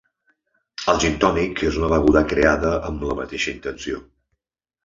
El gintònic és una beguda creada amb la mateixa intenció.